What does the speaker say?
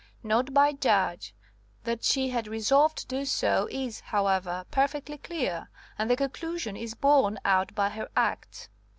(Note by Judge That she had resolved to do so is, however, perfectly clear, and the conclusion is borne out by her acts.